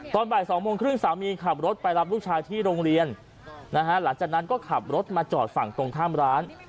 ตอนบ่าย๒โมงครึ่งสามีขับรถไปรับลูกชายที่โรงเรียนนะฮะหลังจากนั้นก็ขับรถมาจอดฝั่งตรงข้ามร้าน